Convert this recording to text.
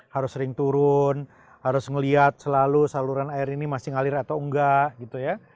harus sering turun harus melihat selalu saluran air ini masih ngalir atau enggak gitu ya